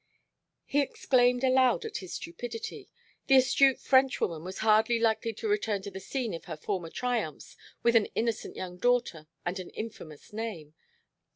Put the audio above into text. He exclaimed aloud at his stupidity. The astute French woman was hardly likely to return to the scene of her former triumphs with an innocent young daughter and an infamous name.